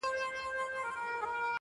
په هر کور کي د طوطي کیسه توده وه!.